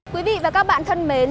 quý vị và các bạn thân mến